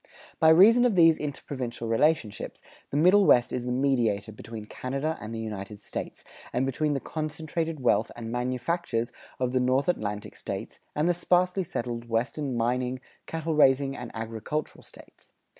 By reason of these interprovincial relationships, the Middle West is the mediator between Canada and the United States, and between the concentrated wealth and manufactures of the North Atlantic States and the sparsely settled Western mining, cattle raising, and agricultural States.